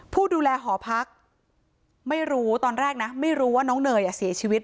ผู้ดูแลหอพักไม่รู้ตอนแรกนะไม่รู้ว่าน้องเนยเสียชีวิต